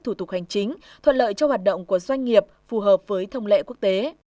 thủ tục hành chính thuận lợi cho hoạt động của doanh nghiệp phù hợp với thông lệ quốc tế